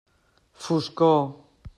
Foscor.